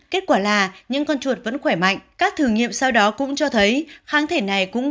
kết quả là những con chuột vẫn khỏe mạnh các thử nghiệm sau đó cũng cho thấy kháng thể này cũng